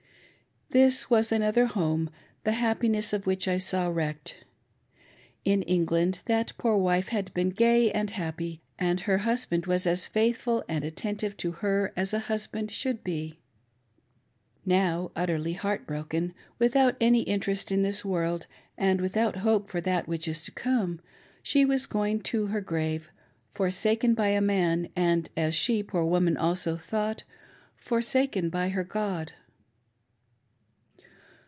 This was another home, the happiness of which I saw wrecked. In England, that poor wife had been gay and happy, and her husband was as faithful and attentive to her as i^ A MORMON "bishop's" FOUR WIVES. a husband should be. Now, utterly broken hearted, trithout Jtriy interest in this world, and without hope for that which is to come, she was going to her grave, forsaken by man and, as she poor woman also thought, forsaken by her God.